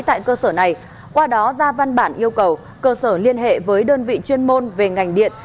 tại cơ sở này qua đó ra văn bản yêu cầu cơ sở liên hệ với đơn vị chuyên môn về ngành điện